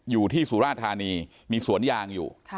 อยู่ที่สุราชธานีมีสวนยางอยู่